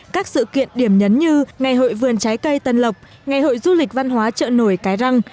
các sự kiện điểm nhấn như ngày hội vườn trái cây tân lộc ngày hội du lịch văn hóa chợ nổi cái răng